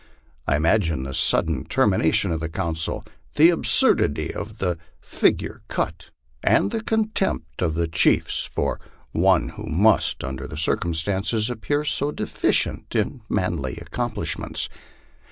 I imagined the sudden termi nation of the council, the absurdity of the figure cut, and the contempt of the chiefs for one who must, under the circumstances, appear so deficient in manly accomplishments.